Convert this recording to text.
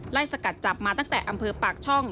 สกัดจับมาตั้งแต่อำเภอปากช่อง